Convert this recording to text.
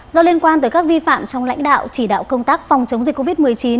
do liên quan tới các vi phạm trong lãnh đạo chỉ đạo công tác phòng chống dịch covid một mươi chín